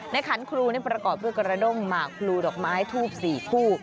ในขันครูนี่ประกอบเพื่อกระดงหมาครูดอกไม้ทูบ๔คู่